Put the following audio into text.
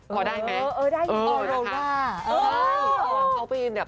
กอไดไหมโอโรล่าเออ